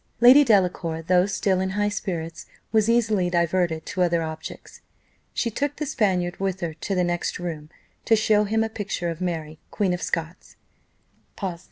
Lady Delacour, though still in high spirits, was easily diverted to other objects. She took the Spaniard with her to the next room, to show him a picture of Mary, Queen of Scots.